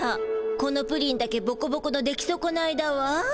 このプリンだけボコボコの出来そこないだわ。